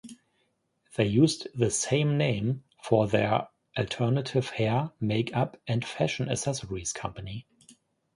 They used the same name for their alternative hair, makeup and fashion accessories company.